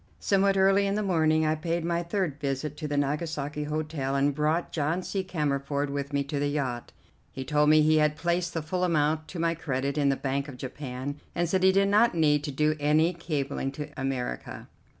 Somewhat early in the morning I paid my third visit to the Nagasaki Hotel and brought John C. Cammerford with me to the yacht. He told me he had placed the full amount to my credit in the Bank of Japan, and said he did not need to do any cabling to America.